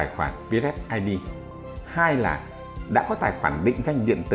hai là đã có tài khoản định danh điện tử